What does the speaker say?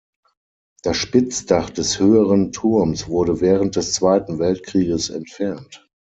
Das Spitzdach des höheren Turms wurde während des Zweiten Weltkrieges entfernt.